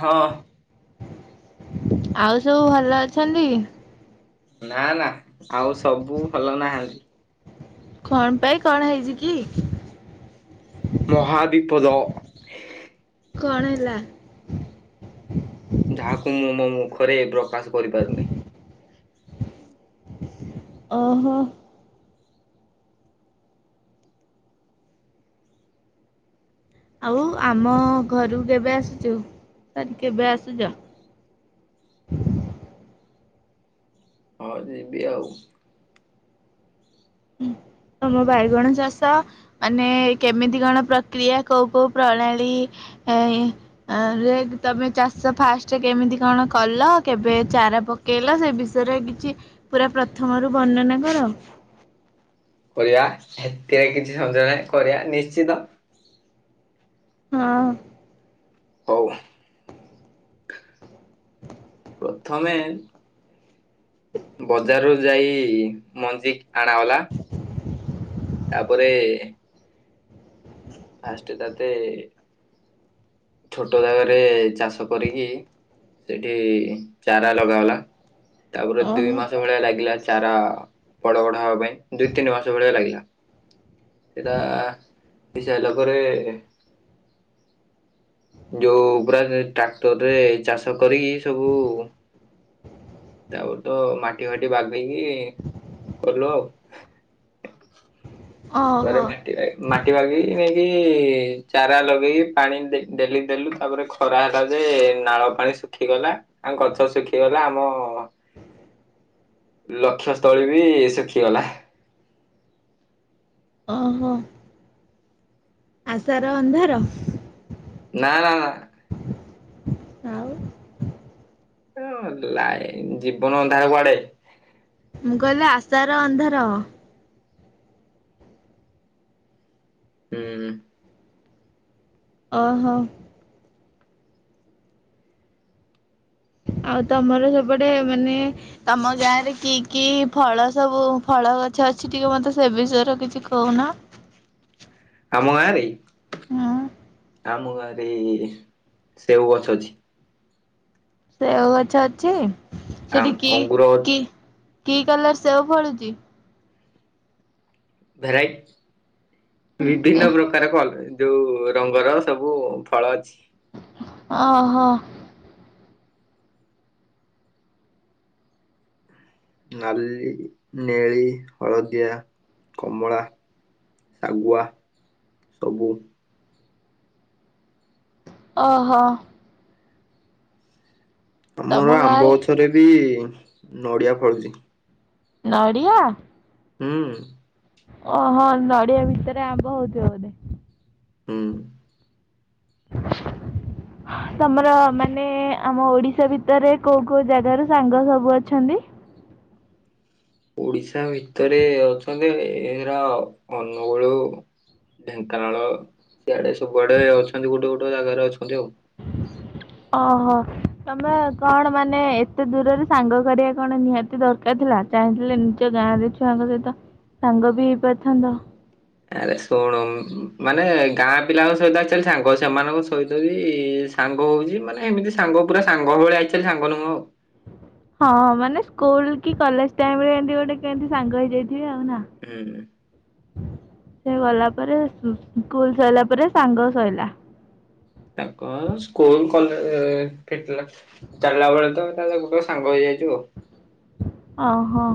ହଁ ଆଉ ସବୁ ଭଲ ଅଛନ୍ତି? ନା ନା ଆଉ ସବୁ ଭଲ ନାହାନ୍ତି। କଣ୍ ପାଇଁ କଣ ହେଇଛି କି? ମହାବିପଦ। କଣ ହେଲା? ଯାହାକୁ ମୁଁ ମୋ ମୁଖରେ ପ୍ରକାଶ କରିପାରୁନେଇଁ। ଓ ହୋ। ଆଉ ଆମ ଘରୁ କେବେ ଆସୁଚୁ? ସାରି କେବେ ଆସୁଚ? ହଁ ଯିବି ଆଉ। ଆମ ବାଇଗଣ ଚାଷ ମାନେ କେମିତି କଣ ପ୍ରକ୍ରିୟା କୋଉ କୋଉ ପ୍ରଣାଳୀ। ଏ ଇଁ। ଆରେ ତମେ ଚାଷ ଫାଷ୍ଟ କେମିତି କଣ କଲ କେବେ ଚାରା ପ ପକେଇଲ ସେ ବିଷୟରେ କିଛି ପୁରା ପ୍ରଥମରୁ ବର୍ଣ୍ଣନା କର। କରିଆ ଏଥିରେ କିଛି ସଞ୍ଜନା କରିଆ ନିଶ୍ଚିନ୍ତ। ହଁ। ହୋଉ। ପ୍ରଥମେ ବଜାରରୁୁ ଯାଇ ମଞ୍ଜି ଆଣାଗଲା। ତା ପରେ ଫାଷ୍ଟ ତାତେ ଛୋଟ ଜାଗାରେ ଚାଷ କରିକି। ସେଠି ଚାରା ଲଗାଗଲା, ତାପରେ ଦୁଇ ଓହୋ ମାସ ଭଳିଆ ଲାଗିଲା ଚାରା ବଡ ବଡ ହବା ପାଇଁ, ଦୁଇ ତିନି ମାସେ ଭଳିଆ ଲାଗିଲା। ସେଟା ପିଇ ସଇଲା ପରେ ଯୋଉ ପୁରା ସେ ଟାକ୍ଟର୍ ରେ ଚାଷ କରିକି ସବୁ ତା ପରେ ତ ମାଟି ଫାଟି ବାଗେଇକି କଲୁ ଆଉ। ଓହୋ କୂଆରେଗଲେ? ଇଏ ମାଟି ବାଗେଇକି ନେଇକି ଚାରା ଲଗେଇକି ପାଣି ଡେ ଡେଲି ଦେଲୁ, ତାପରେ ଖ ଖରା ହେଲା ଯେ ନାଳ ପାଣି ଶୁଖିଗଲା, ଆଁ ଗଛ ଶୁଖିଗଲା ଆମ ଲକ୍ଷ୍ୟସ୍ଥଳୀ ବି ଶଖିଗଲା। ଅଁ ହୋ। ଆଶାର ଅନ୍ଧାର? ନା ନା ନା। ଆଉ? ଏଅ ଲାଇନ୍ ଜୀବନ ଅନ୍ଧାର କୁଆଡେ? ମୁଁ କଇଲି ଆଶାର ଅନ୍ଧାର। ହୁଁ। ଓ ହୋ। ଆଉ ତମର ସେପଟେ ମାନେ ତମ ଗାଁ ରେ କି କି ଫଳ ସବୁ ଫଳ ଗଛ ଅଛି ଟିକେ ମତେ ସେ ବିଷୟରେ କିଛି କୋହୁନ? ଆମ ଗାଁରେ? ହୁଁ ଆମ ଗାଁରେ ସେଉ ଗଛ ଅଛି। ସେଓ ଗଛ ଅଛି? ଆ ସେଠି କି ଅଙ୍ଗୁର କି କି କଲର୍ ସେଓ ଫଳୁଚି? ଭେରାଇ ବିଭିନ୍ନ ପ୍ରକ ତାର ଯୋଉ ରଙ୍ଗର ସବୁ ଫଳ ଅଛି। ଓହୋ। ନାଲି ନେଳି ହଳଦିଆ କମଳା। ଶାଗୁଆ ସବୁ। ଓହୋ। ତମ ଆମର ଆମ୍ବ ଗାଁରେ ଗଛରେ ବି ନଡିଆ ଫଳୁଛି। ନଡ଼ିଆ। ହୁଁ। ଓହୋ ନଡ଼ିଆ ଭିତରେ ଆ ବ ହଉତ ବୋଧେ। ହୁଁ [unintelligible] ତମର ମାନେ ଆମ ଓଡିଶା ଭିତରେ କୋଉ କୋଉ ଜାଗାରୁ ସାଙ୍ଗ ସବୁ ଅଛନ୍ତି। ଓଡିଶା ଭିତରେ ଅଛନ୍ତି ଏ ରା ଅନୁଗୁଳ। ଢେଙ୍କାନାଳ ସିଆଡେ ସବୁଆଡେ ଅଛନ୍ତି ଗୋଟେ ଗୋଟେ ଜାଗାରେ ଅଛନ୍ତି ଆଉ। ଓହୋ। ତମେ କଣ ମାନେ ଏତେ ଦୂରରେ ସାଙ୍ଗ କରିବା କଣ ନିହାତି ଦରକାର୍ ଥିଲା। ଚାହିଁଥିଲେ ନିଜ ଗାଁରେ ଛୁଆଙ୍କ ସହିତ ସାଙ୍ଗ ବି ହେଇପାରିଥାନ୍ତ। ଆରେ ଶୁଣୁ ମାନେ ଗାଁ ପିଲାଙ୍କ ସହିତ ଆଜିକାଲି ସାଙ୍ଗ ସେମାନଙ୍କ ସହିତ ବି ସାଙ୍ଗ ହଉଛି ମାନେ ଏମିତି ସାଙ୍ଗ ପୁରା ସାଙ୍ଗ ଭଳିଆ ଆକ୍ଚଲି ସାଙ୍ଗ ନୁହଁ ହଁ ମାନେ ସ୍କୁଲ୍ କି କଲେଜ ଟାଇମ୍ ରେ ଏମତି ଗୋଟେ କେମତି ସାଙ୍ଗ ହେଇଯାଇଥିବେ ଆଉ ନା। ହୁଁ। ସେ ଗଲା ପରେ ସ୍କୁଲ୍ ସରିଲା ପରେ ସାଙ୍ଗ ସଇଲା। ତାଙ୍କର ସ୍କୁଲ୍ କଲେ ଠିକ୍ ଥିଲା। ଚାଲିଲା ବେଳେ ତ ତା ଗୋଟେ ସାଙ୍ଗ ହେଇଯାଇଛୁ। ଓହୋ।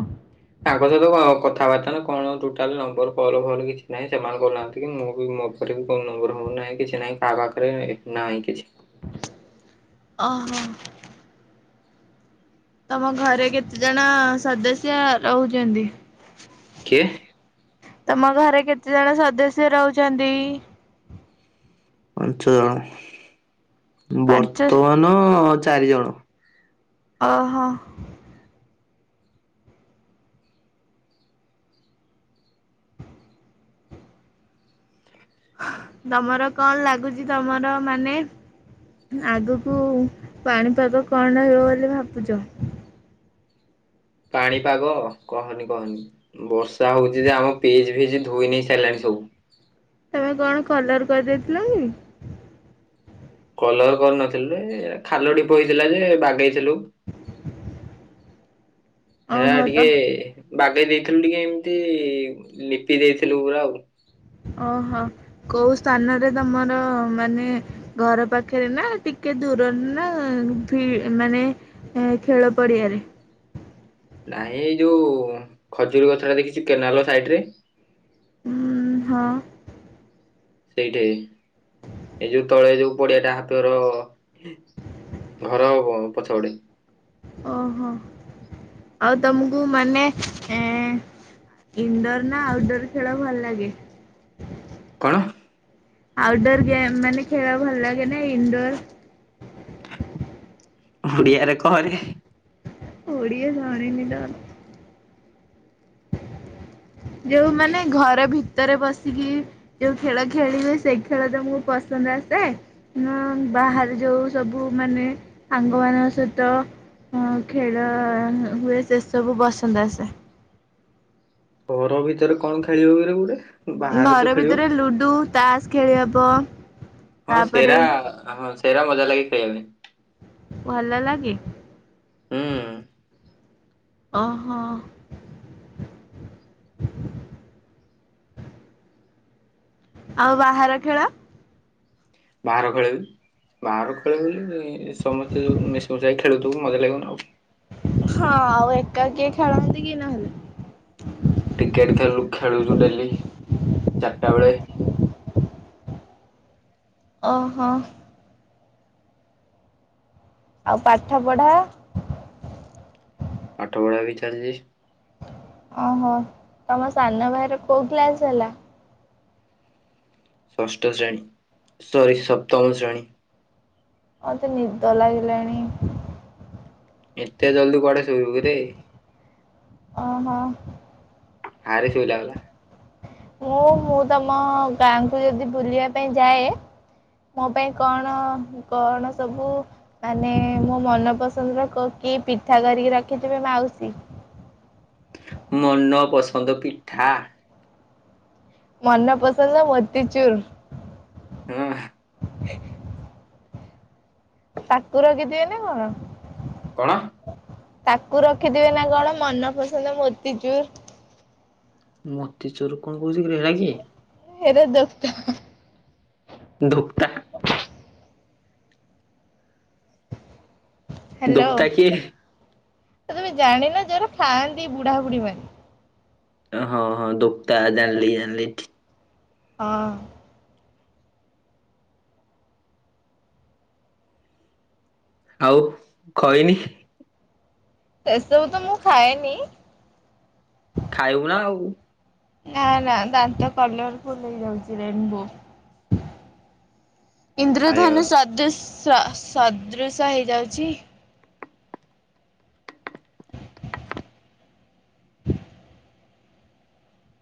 ତାଙ୍କ ସହିତ କଥାବାର୍ତ୍ତା ନା କଣ ଟୋଟାଲ୍ ନମ୍ବର କଲ୍ ଫଲ୍ କିଛି ନାହିଁ ସେମାନେ କହୁନାହାନ୍ତି କି ମୁଁ ବି ମୋ ନମ୍ୱର୍ ମୋର ନାହିଁ କିଛି ନାହିଁ କାହା ପାଖରେ ନାହିଁ କିଛି। ଓହୋ। ତମ ଘରେ କେତେ ଜଣ ସଦସ୍ୟା ରହୁଛନ୍ତି? କିଏ? ତମ ଘରେ କେତେ ଜଣ ସଦସ୍ୟ ରହୁଛନ୍ତି? ପାଞ୍ଚ ଜଣ ପାଞ୍ଚ ବର୍ତ୍ତମାନ ଚାରି ଜଣ। ଓହୋ। ତମର କଣ ଲାଗୁଛି ତମର ମାନେ ଆଗକୁ ପାଣିପାଗ କଣ ରହିବ ବୋଲି ଭାବୁଛ। ପାଣିପାଗ କହନି କହନି। ବର୍ଷା ହଉଛି ଯେ ଆମ ପିଜ୍ ଫିଜ୍ ଧୋଇ ନେଇ ସାରିଲାଣି ସବୁ। ତମେ କଣ କଲର କରିଦେଇଥିଲ କି? କଲର କରିନଥିଲି ଏ ଖାଲ ଢ଼ିପ ହେଇଥିଲା ଯେ ବାଗେଇଥିଲୁ। ହେରା ଓହୋ ତ ଟିକେ ବାଗେଇ ଦେଇଥିଲୁ ଟିକେ ଏମତି ଲିପି ଦେଇଥିଲୁ ପୁରା ଆଉ। ଓହୋ କୋଉ ସ୍ଥାନରେ ତମର ମାନେ ଘର ପାଖରେ ନା ଟିକେ ଦୂରରେ ନା ମାନେ ହୁଁ ଖେଳ ପଡିଆରେ। ନାଇଁ ଏଇ ଯୋଉ ଖଜୁରୀ ଗଛ ଟା ଦେଖିଛୁ କେନାଲ୍ ସାଇଡ୍ ରେ। ହୁଁ ହଁ। ସେଇଠା ହିଁ ଏଇ ଯୋଉ ତଳେ ଯୋଉ ପଡିଆଟା ହାତର। ଘର ହବ ପଛ ପଟେ। ଓହୋ ଆଉ ତମକୁ ମାନେ [unintelligible] ଇନଡୋର ନା ଆଉଟଡୋର ଖେଳ ଭଲ ଲାଗେ। କଣ। ଆଉଟଡୋର ଗେମ୍ ମାନେ ଖେଳ ଭଲ ଲାଗେ ନା ଇନଡୋର। ଓଡିଆରେ କହରେ। ଓଡ଼ିଆ ଜାଣିନି ତାର। ଯୋଉ ମାନେ ଘର ଭିତରେ ବସିକି ଯୋଉ ଖେଳ ଖେଳିବେ ସେଇ ଖେଳ ତମୁକୁ ପସନ୍ଦ ଆସେ। ନା ବାହାରେ ଯୋଉ ସବୁ ମାନେ ସାଙ୍ଗ ମାନଙ୍କ ସହିତ ହଁ ଖେଳ ହୁଏ ସେ ସବୁ ପସନ୍ଦ ଆସେ। ଘର ଭିତରେ କଣ ଖେଳି ହୁଏ ରେ ଗୋଟେ। ବାହାରେ ତ ଘର ଖେଳିବ। ଭିତରେ ଲୁଡୁ ତାସ୍ ଖେଳି ହବ। ହଁ ତାପରେ ସେରା ହଁ ସେରା ମଜା ଲାଗି ଖେଳିବା ପାଇଁ। ଭଲ ଲାଗେ। ହୁଁ। ଓହୋ। ଆଉ ବାହାର ଖେଳ? ବାହାର ଖେଳ ବି ବାହାର ଖେଳ ସମସ୍ତେ ଯୋଉ ମିଶି ମୁଶାଇ ଖେ ଖେଳୁ ମଜା ଲାଗୁନ ଆଉ। ହଁ ଆଉ ଏକା କିଏ ଖେଳନ୍ତି କି ନହେଲେ। କ୍ରିକେଟ ଖ ଖେଳୁଛୁ ଡେଲି ଚାରିଟା ବେଳେ। ଓହୋ। ଆଉ ପାଠ ପଢା? ପାଠ ପଢା ବି ଚାଲିଛି। ଓହୋ ତମ ସାନ ବାଇର କୋଉ ଗ୍ଲାସ୍ ହେଲା? ଷଷ୍ଠ ଶ୍ରେଣୀ ସରି ସପ୍ତମ ଶ୍ରେଣୀ। ମତେ ନିଦ ଲାଗିଲାଣି। ଏତେ ଜଲଦି କୁଆଡେ ଶୋଇବୁ କିରେ? ଓ ହୋ। ହରେ ଶୋଇଲା ବାଲା। ମୁଁ ମୁଁ ତମ ଗାଁକୁ ଯଦି ବୁଲିବା ପାଇଁ ଯାଏ। ମୋ ପାଇଁ କଣ କଣ ସବୁ ମାନେ ମୋ ମନ ପସନ୍ଦ ର କିଏ ପିଠା କରିକି ରଖିଥିବେ ମାଉସୀ? ମନପସନ୍ଦ ପିଠା। ମନନ ପସନ୍ଦ ମୋତିଚୁର। ହଁ। ତାକୁ ରକିଥିବେ କି ନାଁ କଣ? କଣ? ତାକୁ ରଖିଥିବେ ନା କଣ ମନପସନ୍ଦ ମୋତିଚୁର ମୋତିଚୁରୁ କଣ କହୁଛି ହେରା କିଏ? ହେରେ ଦତା ଧୁକ୍ତା। ହ୍ୟାଲୋ ଧୋକ୍ତା କିଏ? ତମେ ଜାଣିନ ଜଗୁରା ଖାଆନ୍ତି ବୁଢାବୁଢ଼ୀ ମାନେ। ହଁ ହଁ ଦୋକତା ଜାଣିଲି ଜାଣିଲି ଠିକ ହଁ। ଆଉ ଖଇନି। ସେସବୁ ତ ମୁଁ ଖାଏନି। ଖାଇବୁ ନା ଆଉ। ନା ନା ଦାନ୍ତ କଲର ଫୁଲ ହେଇଯାଉଛି ରେନବୋ। ଖାଇବା ଇନ୍ଦ୍ରଧନୁ ସଦୃଶ ସଦୃଶ ହେଇଯାଉଛି।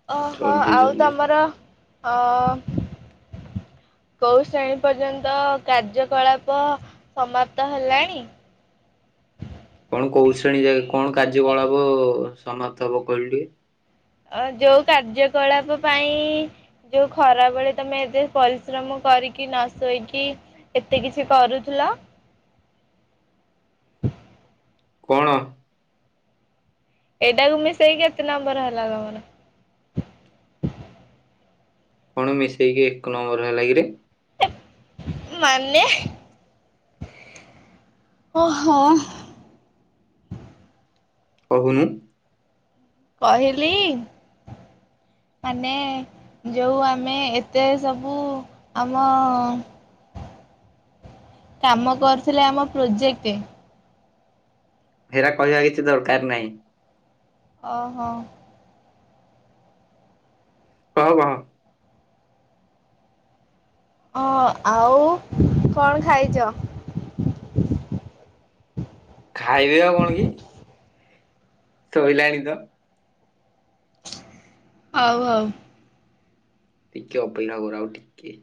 କଥା ଓହୋ ଜଲ୍ଦି ଆଉ ଜଲ୍ଦି ତମର ଆଁ କୋଉ ଶ୍ରେଣୀ ପର୍ଯ୍ୟନ୍ତ କାର୍ଯ୍ୟକଳାପ ସମାପ୍ତ ହେଲାଣି। କଣ କୋଉ ଶ୍ରେଣୀ ଯାକେ କଣ କାର୍ଯ୍ୟକଳାବ ସମାପ୍ତ ହବ କହିଲୁ ଟିକେ? ଅ ଯୋଉ କାର୍ଯ୍ୟକଳାପ ପାଇଁ ଯୋଉ ଖରା ବଳେ ତମେ ଏତେ ପରିଶ୍ରମ କରିକି ନ ଶୋଇକି ଏତେ କିଛି କରୁଥିଲ। କଣ? ଏଇଟାକୁ ମିଶେଇକି କେତେ ନମ୍ବର ହେଲା ତମର? କଣ ମିଶେଇକି ଏକ ନମ୍ବର ହେଲା କିରେ? ମାନେ ଓହୋ। କହୁନୁ। କହିଲି ମାନେ ଯୋଉ ଆମେ ଏତେ ସବୁ ଆମ କାମ କରୁଥିଲେ ଆମ ପ୍ରୋଜେକ୍ଟ ସେରା କହିବା କିଛି ଦରକାର ନାହିଁ। ଓହୋ। କହ ବହ। ଓ ଆଉ କଣ ଖାଇଛ? ଖାଇବି ଆଉ କଣ କି? ଶୋଇଲାଣି ତ। ହଉ ହଉ। ଟିକେ ଅପେକ୍ଷା କର ଆଉ ଟିକେ।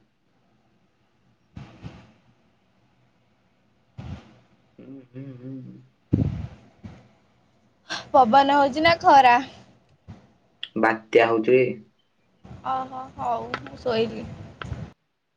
ହୁଁ ହୁଁ ହୁଁ ହୁଁ। ପବନ ହଉଛି ନା ଖରା? ବାତ୍ୟା ହଉଛି ବେ। ଅହୋ ହଉ ମୁଁ ଶୋଇଲିି।